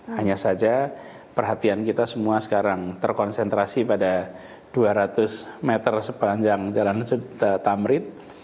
hanya saja perhatian kita semua sekarang terkonsentrasi pada dua ratus meter sepanjang jalan sutamrit